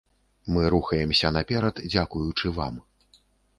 Мы рухаемся наперад дзякуючы вам.